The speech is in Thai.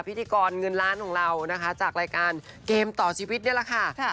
พิธีกรเงินล้านของเรานะคะจากรายการเกมต่อชีวิตนี่แหละค่ะ